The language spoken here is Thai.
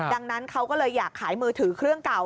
ดังนั้นเขาก็เลยอยากขายมือถือเครื่องเก่า